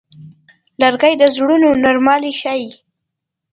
لرګی د زړونو نرموالی ښيي.